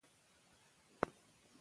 تعلیم د نوښتګرو وړتیاوې زیاتوي.